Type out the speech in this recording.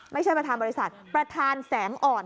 ไม่ใช่ประธานบริษัทประธานแสงอ่อน